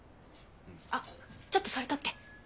あっちょっとそれ取って。